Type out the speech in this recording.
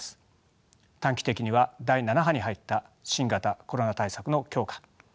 短期的には第７波に入った新型コロナ対策の強化